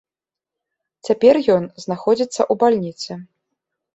Цяпер ён знаходзіцца ў бальніцы.